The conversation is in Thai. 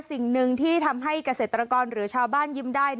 สิ่งหนึ่งที่ทำให้เกษตรกรหรือชาวบ้านยิ้มได้